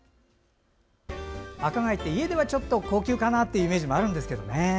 赤貝って家ではちょっと高級かなというイメージもあるんですけどね。